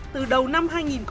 từ đầu năm hai nghìn hai mươi ba